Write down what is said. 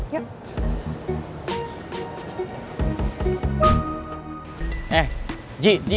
mae empat menit lagi